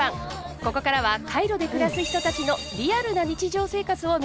ここからはカイロで暮らす人たちのリアルな日常生活を見ていきましょう。